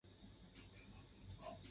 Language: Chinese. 尾巴呈短鞭状。